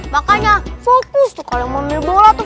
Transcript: makanya fokus tuh kalian mau ambil bola tuh